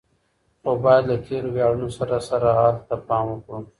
خو بايد له تېرو وياړونو سره سره حال ته پام وکړو.